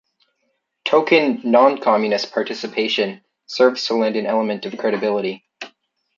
Token noncommunist participation serves to lend an element of credibility.